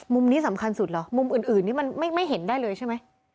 มุมนี้สำคัญสุดเหรอมุมอื่นนี่มันไม่เห็นได้เลยใช่ไหม